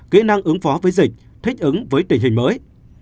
kỹ năng ứng phó với dịch thích ứng với tình hình mới